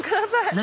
何？